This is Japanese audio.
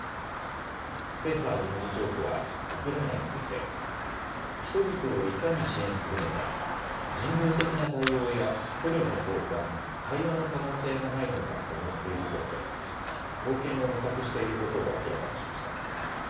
スペハー事務次長補はウクライナについて人々をいかに支援するのか人道的な対応や捕虜の交換、対話の可能性がないのか探っていると述べ貢献を模索していることを明らかにしました。